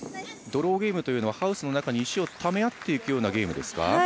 ドローゲームというのはハウスの中に石をため合っていくゲームですか。